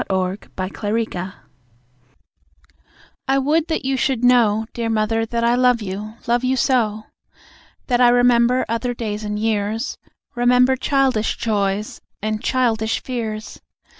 To Mother I would that you should know, Dear mother, that I love you love you so! That I remember other days and years; Remember childish joys and childish fears.